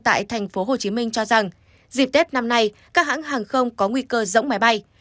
tại thành phố hồ chí minh cho rằng dịp tết năm nay các hãng hàng không có nguy cơ rỗng máy bay